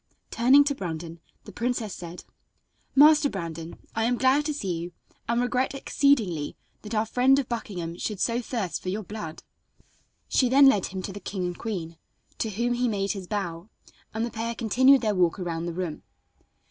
Turning to Brandon the princess said: "Master Brandon, I am glad to see you, and regret exceedingly that our friend of Buckingham should so thirst for your blood." She then led him to the king and queen, to whom he made his bow, and the pair continued their walk about the room.